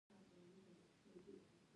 ارام، دروند او سنګين اوسيدل